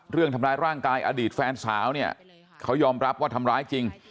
เรื่องทำร้ายร่างกายอดีตแฟนสาวเนี่ยเขายอมรับว่าทำร้ายจริง